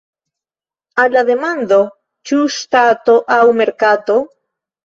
Al la demando "Ĉu ŝtato aŭ merkato?